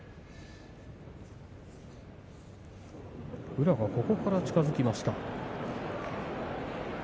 宇良がここから近づきました。